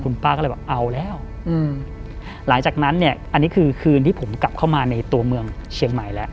ป้าก็เลยบอกเอาแล้วหลังจากนั้นเนี่ยอันนี้คือคืนที่ผมกลับเข้ามาในตัวเมืองเชียงใหม่แล้ว